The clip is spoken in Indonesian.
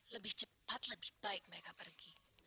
lebih cepat lebih baik mereka pergi